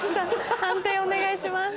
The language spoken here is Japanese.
判定お願いします。